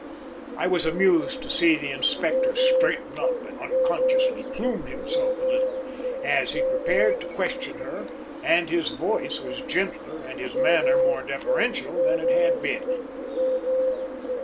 I was amused to see the Inspector straighten up and unconsciously plume himself a little as he prepared to question her and his voice was gentler and his manner more deferential than it had been.